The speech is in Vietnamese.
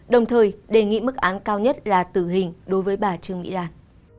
đồng thời đề nghị mức án cao nhất là tử hình đối với bà trương mỹ lan